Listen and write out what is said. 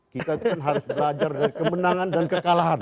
kita itu kan harus belajar dari kemenangan dan kekalahan